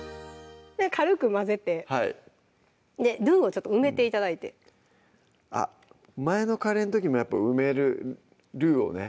軽く混ぜてルウをちょっと埋めて頂いてあっ前のカレーの時もやっぱ埋めるルウをね